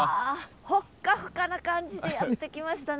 ほっかほかな感じでやって来ましたね